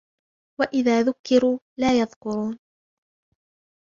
وَإِذَا ذُكِّرُوا لَا يَذْكُرُونَ